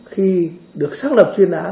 khi được xác lập truy nã